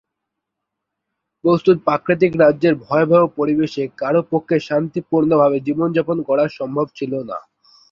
বস্তুত, প্রাকৃতিক রাজ্যের ভয়াবহ পরিবেশে কারও পক্ষে শান্তিপূর্ণ ভাবে জীবন যাপন করা সম্ভব ছিল না।